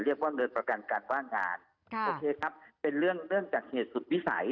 เรียกว่าเงินประกันการว่างงานโอเคครับเป็นเรื่องเนื่องจากเหตุสุดวิสัย